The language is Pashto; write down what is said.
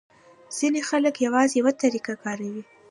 ځینې خلک یوازې یوه طریقه کاروي.